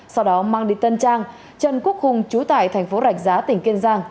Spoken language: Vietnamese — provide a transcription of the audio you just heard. sau đó mang đi tân trang trần quốc hùng chú tại thành phố rạch giá tỉnh kiên giang